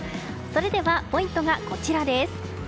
それではポイントが、こちらです。